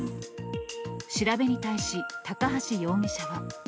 調べに対し高橋容疑者は。